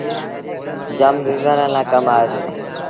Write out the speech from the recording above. جآم بيمآريآن لآ ڪم آئي دو۔